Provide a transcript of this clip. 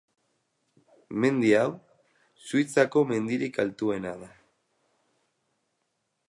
Mendi hau Suitzako mendirik altuena da.